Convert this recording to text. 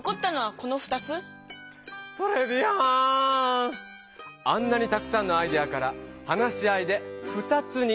あんなにたくさんのアイデアから話し合いで２つにしぼれました。